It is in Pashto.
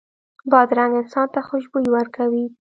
بادرنګ انسان ته خوشبويي ورکوي.